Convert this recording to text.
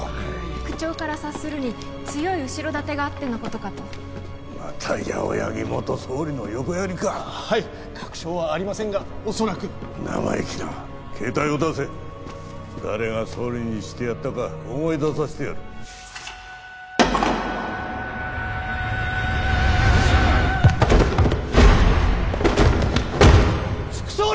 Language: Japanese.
口調から察するに強い後ろ盾があってのことかとまた八尾柳元総理の横やりかはい確証はありませんが恐らく生意気な携帯を出せ誰が総理にしてやったか思い出させてやる副総理！